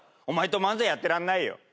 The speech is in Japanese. お前と漫才やってらんないよ。